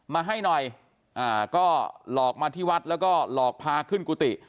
มาให้หน่อยก็หลอกมาที่วัดแล้วก็หลอกพาขึ้นกุฏิ